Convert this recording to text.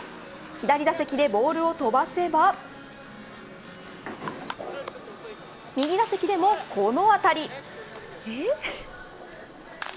左打席でボールを飛ばせば右打席でもこのあたり。